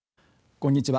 こんにちは。